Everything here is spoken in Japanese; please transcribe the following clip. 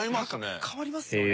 なんか変わりますよね。